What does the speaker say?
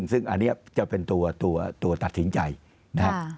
ซึ่งอันนี้จะเป็นตัวตัดสินใจนะครับ